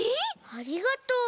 ありがとう。